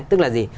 tức là gì